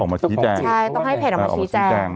ออกมาชี้แจงใช่ต้องให้เผ็ดออกมาชี้แจง